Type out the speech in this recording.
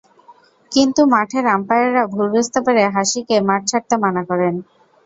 কিন্তু মাঠের আম্পায়াররা ভুল বুঝতে পেরে হাসিকে মাঠ ছাড়তে মানা করেন।